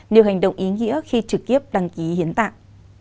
nhiều hành động ý nghĩa khi trực tiếp đăng ký hiến tặng